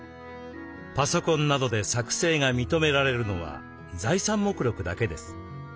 パソコンなどで作成が認められるのは財産目録だけです。